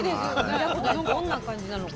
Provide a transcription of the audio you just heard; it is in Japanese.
どんな感じなのか。